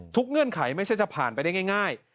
เงื่อนไขไม่ใช่จะผ่านไปได้ง่าย